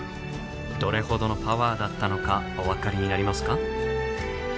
どれほどのパワーだったのかお分かりになりますか？